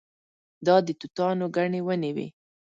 دا د توتانو ګڼې ونې وې.